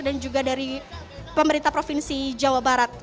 dan juga dari pemerintah provinsi jawa barat